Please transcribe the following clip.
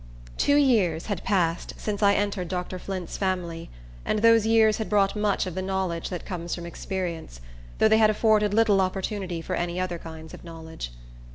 Two years had passed since I entered Dr. Flint's family, and those years had brought much of the knowledge that comes from experience, though they had afforded little opportunity for any other kinds of knowledge.